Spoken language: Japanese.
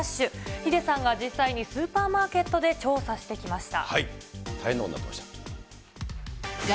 ヒデさんが実際にスーパーマーケットで調査してきました。